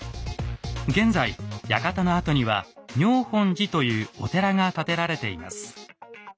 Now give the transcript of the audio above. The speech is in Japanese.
現在館の跡には妙本寺というお寺が建てられています。